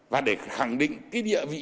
và để khẳng định cái địa vị